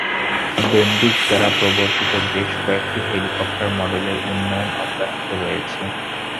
Bendix দ্বারা প্রবর্তিত বেশ কয়েকটি হেলিকপ্টার মডেলের উন্নয়ন অব্যাহত রয়েছে।